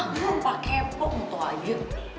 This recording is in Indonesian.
ah gue mumpah kepok muntah aja